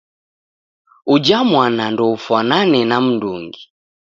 Uja mwana ndoufwanane na m'ndungi.